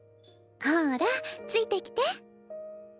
ほらついてきて。